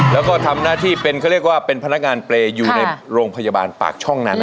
แล้วก็ทำหน้าที่เป็นเขาเรียกว่าเป็นพนักงานเปรย์อยู่ในโรงพยาบาลปากช่องนั้น